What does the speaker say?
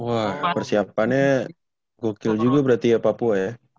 wah persiapannya google juga berarti ya papua ya